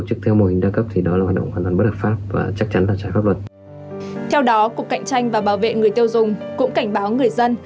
cục cạnh tranh và bảo vệ người tiêu dùng cũng cảnh báo người dân